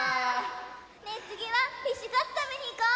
ねえつぎはフィッシュカツたべにいこう！